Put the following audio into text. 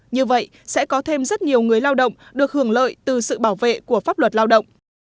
như vậy sẽ có thêm rất nhiều người lao động được hưởng lợi từ sự bảo vệ của pháp luật lao động